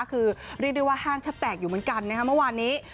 คือเรียกได้ว่าห้างแทบแตกอยู่เหมือนกันนะคะเมื่อวานนี้